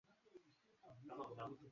Kundi hilo limelaumiwa kwa maelfu ya vifo